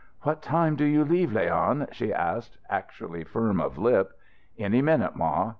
"What time do you leave, Leon?" she asked, actually firm of lip. "Any minute, ma.